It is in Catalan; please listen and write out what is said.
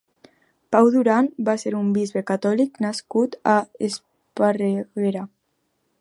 Pau Duran va ser un bisbe catòlic nascut a Esparreguera.